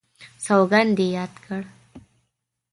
سوګند یې یاد کړ.